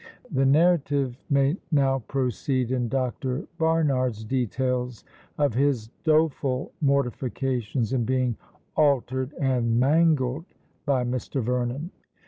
The narrative may now proceed in Dr. Barnard's details of his doleful mortifications, in being "altered and mangled" by Mr. Vernon.